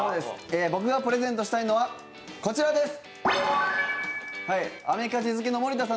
僕がプレゼントしたいのはこちらです。